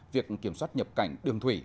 việc kiểm soát nhập cảnh đường thủy